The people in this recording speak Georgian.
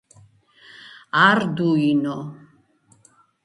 არდუინო